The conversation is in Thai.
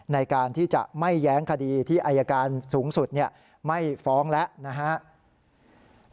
ในการที่จะไม่แย้งคดีที่อายการสูงสุดไม่ฟ้องแล้วนะครับ